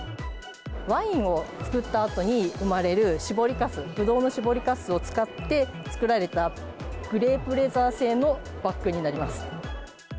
ワインを造ったあとに生まれる搾りかす、ぶどうの搾りかすを使って作られた、グレープレザー製のバッグになります。